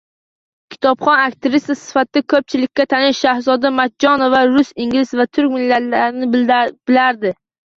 Kitobxon aktrisa sifatida ko‘pchilikka tanish Shahzoda Matchonova rus, ingliz va turk tillarini biladi